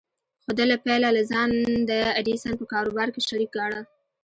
خو ده له پيله لا ځان د ايډېسن په کاروبار کې شريک ګاڼه.